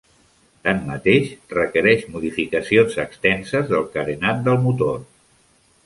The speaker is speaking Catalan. Tanmateix, requereix modificacions extenses del carenat del motor.